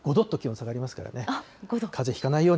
どっと気温が下がりますからね。